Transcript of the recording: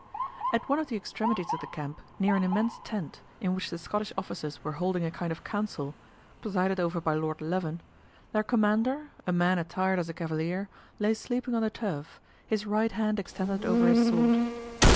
At one of the extremities of the camp, near an immense tent, in which the Scottish officers were holding a kind of council, presided over by Lord Leven, their commander, a man attired as a cavalier lay sleeping on the turf, his right hand extended over his sword.